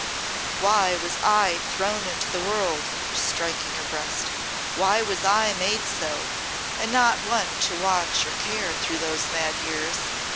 "Why was I thrown into the world?" striking her breast. "Why was I made so and not one to watch or care through those mad years?